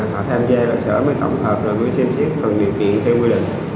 họ tham gia loại sở mới tổng hợp rồi mới xem xét cần điều kiện theo quy định